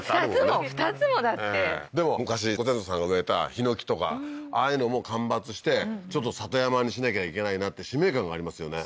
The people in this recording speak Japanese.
２つもだってでも昔ご先祖さんが植えたヒノキとかああいうのも間伐してちょっと里山にしなきゃいけないなって使命感がありますよね